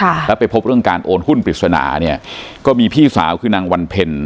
ค่ะแล้วไปพบเรื่องการโอนหุ้นปริศนาเนี่ยก็มีพี่สาวคือนางวันเพ็ญ